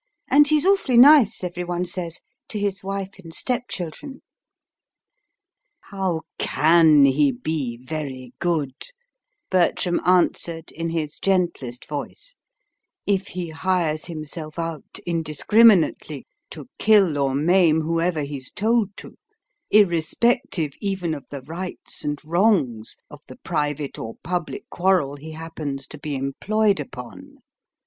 And he's awfully nice, every one says, to his wife and step children." "How CAN he be very good," Bertram answered in his gentlest voice, "if he hires himself out indiscriminately to kill or maim whoever he's told to, irrespective even of the rights and wrongs of the private or public quarrel he happens to be employed upon?